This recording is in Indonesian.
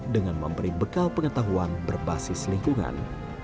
dengan memberi bekal pengetahuan berbasis lingkungan